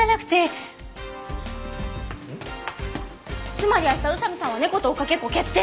つまり明日宇佐見さんは猫と追っかけっこ決定！